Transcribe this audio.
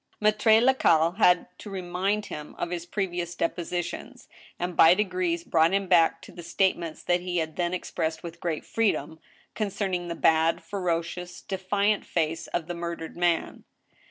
Maitre Lacaille had to remind him of his previous depositions, and by degrees brought him back to the statements that he had then expressed with great freedom, concerning the bad, ferocious, defiant face of the murdered man.